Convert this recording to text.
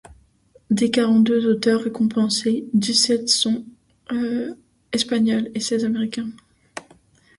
Des quarante-deux auteurs récompensés, dix-sept sont espagnols et seize américains.